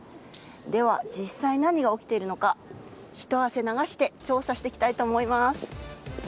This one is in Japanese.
では、実際何が起きているのかひと汗流して調査してきたいと思います。